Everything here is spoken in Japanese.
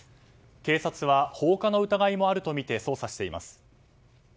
警察は放火の疑いもあるとみて捜査しています。